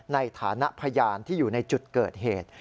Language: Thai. ในฐานะพยานที่อยู่ในจุดเกิดเหตุ